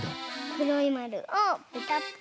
くろいまるをペタッと。